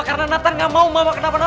karena nathan gak mau ma kenapa kenapa ma